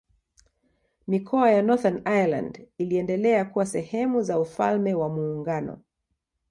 Mikoa ya Northern Ireland iliendelea kuwa sehemu za Ufalme wa Muungano.